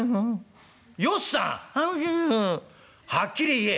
「はっきり言え」。